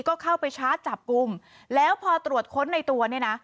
ก็เข้าไปชาร์จจับกลุ่มแล้วพอตรวจค้นในตัวเนี่ยนะ